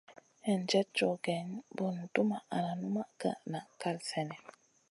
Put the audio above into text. Hinjèd cow geyni, bùn dumʼma al numʼma na kal sènèh.